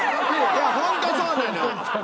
いやホントそうなのよ。